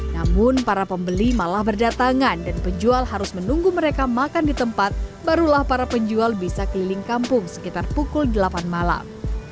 namun para pembeli malah berdatangan dan penjual harus menunggu mereka makan di tempat barulah para penjual bisa keliling kampung sekitar pukul delapan malam